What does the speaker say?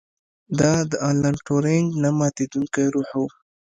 دا د الن ټورینګ نه ماتیدونکی روح و